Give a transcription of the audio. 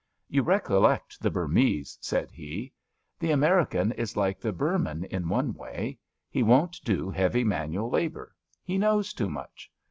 '' You recollect the Burmese,'^ said he. *^ The American is like the Burman in one way. He won't do heavy manual labour. He knows too much.